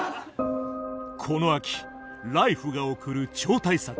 この秋「ＬＩＦＥ！」が送る超大作